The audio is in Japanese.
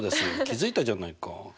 気付いたじゃないか。